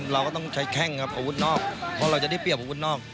เราก็ต้องใช้แข้งครับอาวุธนอกเพราะเราจะได้เปรียบอาวุธนอก